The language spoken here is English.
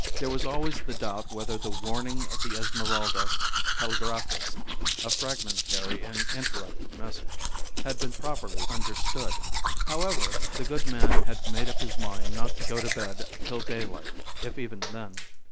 There was always the doubt whether the warning of the Esmeralda telegraphist a fragmentary and interrupted message had been properly understood. However, the good man had made up his mind not to go to bed till daylight, if even then.